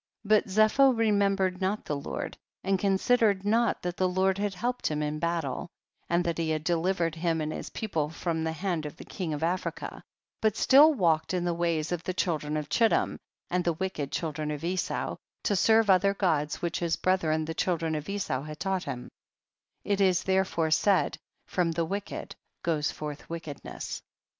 5. But Zepho remembered not the Lord and considered not that the Lord had helped him in battle, and that he had delivered him and his people from the hand of the king of Africa, but still walked in the ways of the children of Chittim and the wicked children of Esau, to serve other gods which his brethren the children of" Esau had taught him; it is therefore said, from the wicked goes forth wickedness.